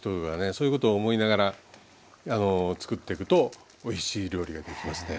そういうことを思いながら作っていくとおいしい料理ができますね。